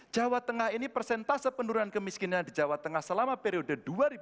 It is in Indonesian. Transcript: jawa tengah ini persentase penurunan kemiskinan di jawa tengah selama periode dua ribu tiga belas dua ribu tujuh belas